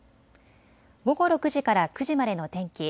午後６時から９時までの天気。